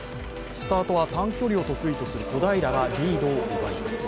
スタートは短距離を得意とする小平がリードを奪います。